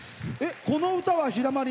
この歌は「ひだまり」。